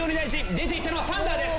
出ていったのはサンダーです。